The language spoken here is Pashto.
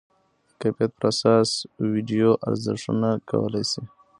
د کیفیت پر اساس ویډیو ارزونه کولی شئ.